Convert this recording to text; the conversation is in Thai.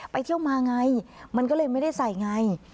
ไปเที่ยวมาไงมันก็เลยไม่ได้ใส่ไง